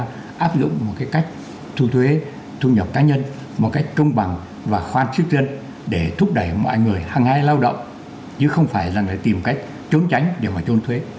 chúng tôi áp dụng một cái cách thu thuế thu nhập cá nhân một cách công bằng và khoan sức dân để thúc đẩy mọi người hăng ai lao động chứ không phải là phải tìm cách trốn tránh để mà trốn thuế